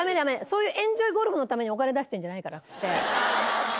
そういうエンジョイゴルフのためにお金出してるんじゃないから。